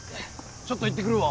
ちょっと行ってくるわ。